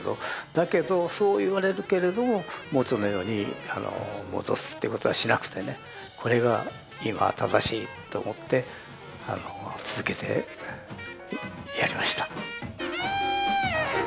だけどそう言われるけれども元のように戻すっていうことはしなくてねこれが今は正しいと思ってあの続けてやりました。